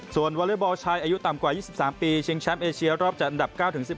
ส่วนวอเล็กบอลชายอายุต่ำกว่า๒๓ปีชิงแชมป์เอเชียรอบจัดอันดับ๙๑๑